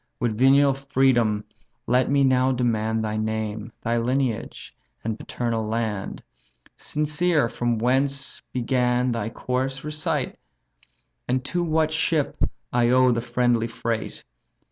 With venial freedom let me now demand Thy name, thy lineage, and paternal land; Sincere from whence began thy course, recite, And to what ship I owe the friendly freight?